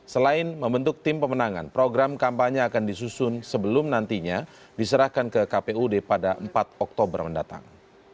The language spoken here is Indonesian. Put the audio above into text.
selain membentuk tim pemenangan program kampanye akan disusun sebelum nantinya diserahkan ke kpud pada empat oktober mendatang